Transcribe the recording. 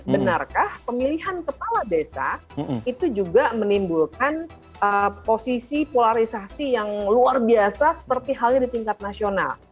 benarkah pemilihan kepala desa itu juga menimbulkan posisi polarisasi yang luar biasa seperti halnya di tingkat nasional